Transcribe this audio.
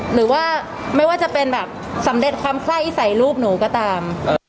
หรือว่าไม่ว่าจะเป็นแบบสำเร็จความไข้ใส่รูปหนูก็ตาม